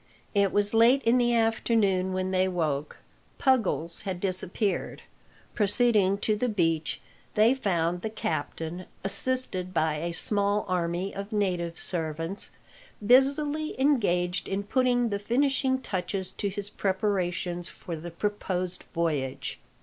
It was late in the afternoon when they woke. Puggles had disappeared. Proceeding to the beach, they found the captain, assisted by a small army of native servants, busily engaged in putting the finishing touches to his preparations for the proposed voyage.